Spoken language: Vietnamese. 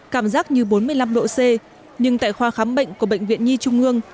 cảm giác như bốn mươi năm độ c nhưng tại khoa khám bệnh của bệnh viện nhi trung ương